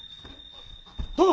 殿！